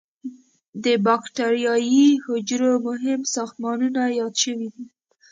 د بکټریايي حجرو مهم ساختمانونه یاد شوي دي.